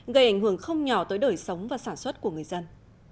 gây ảnh hưởng không nhỏ tới đời sống và sản xuất của người dân